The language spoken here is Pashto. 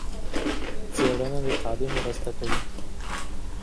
څېړنه د تعليم مرسته کوي.